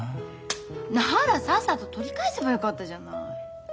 ならさっさと取り返せばよかったじゃない。